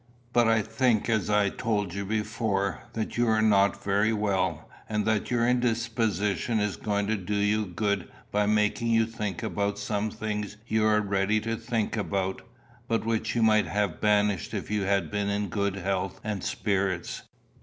But I think, as I told you before, that you are not very well, and that your indisposition is going to do you good by making you think about some things you are ready to think about, but which you might have banished if you had been in good health and spirits.